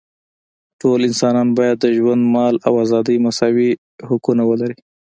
ټول انسانان باید د ژوند، مال او ازادۍ مساوي حقونه ولري.